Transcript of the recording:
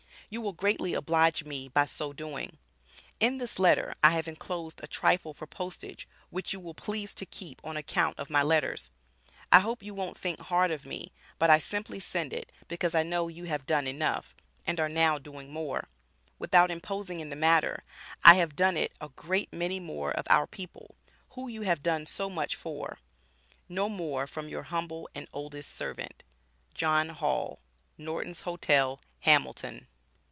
You will greatly oblige me by so doing. In this letter I have enclosed a trifle for postage which you will please to keep on account of my letters I hope you wont think hard of me but I simply send it because I know you have done enough, and are now doing more, without imposing in the matter I have done it a great many more of our people who you have done so much fore. No more from your humble and oldest servant. JOHN HALL, Norton's Hotel, Hamilton.